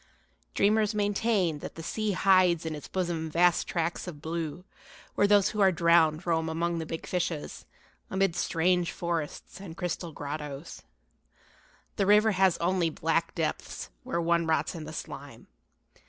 Dreamers maintain that the sea hides in its bosom vast tracts of blue where those who are drowned roam among the big fishes, amid strange forests and crystal grottoes. The river has only black depths where one rots in the slime.